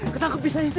ketangkep bisa istri gue